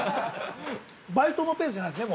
バイトのペースじゃないですね。